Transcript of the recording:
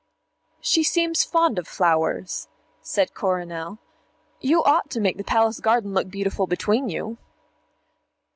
"She seems fond of flowers," said Coronel. "You ought to make the Palace garden look beautiful between you."